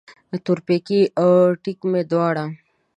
تورپیکی او ټیک مې دواړه